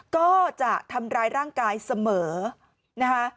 ก็จะทำร้ายร่างกายเสมอนะคะ